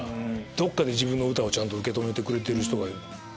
どっかで自分の歌をちゃんと受け止めてくれてる人がいる。